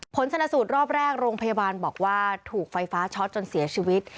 ผลชนสูตรรอบแรกโรงพยาบาลบอกว่าถูกไฟฟ้าช็อตจนเสียชีวิต